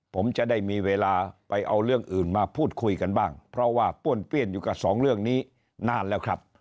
ผมจะได้มีเวลาไปเอาเรื่องอื่นมาพูดคุยกันบ้างเพราะว่าป้วนเปี้ยนอยู่กับสองเรื่องนี้นานแล้วครับ